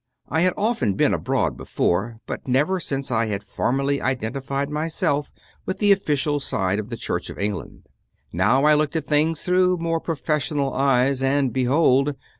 I had often been abroad before, but never since I had formally identified myself with the official side of the Church of England. Now I looked at things through more professional eyes, and, behold!